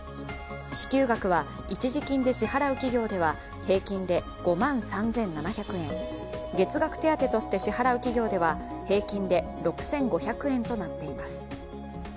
支給額は一時金で支払う企業では平均で５万３７００円、月額手当として支払う企業では平均で６５００円となっています。